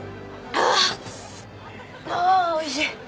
ああおいしい。